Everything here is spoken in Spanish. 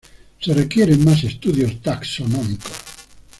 Se requieren más estudios taxonómicos.